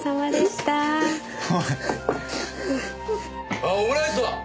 あっオムライスだ！